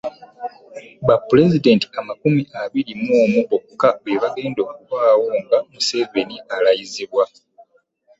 Ba pulezidenti amakumi abiri mu omu bokka be bagenda okubaawo nga Museveni alayizibwa